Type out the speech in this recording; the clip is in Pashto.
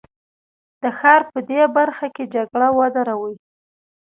د ښار په دې برخه کې جګړه ودروي.